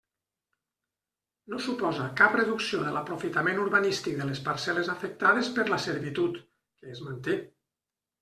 No suposa cap reducció de l'aprofitament urbanístic de les parcel·les afectades per la servitud, que es manté.